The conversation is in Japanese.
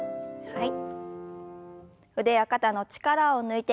はい。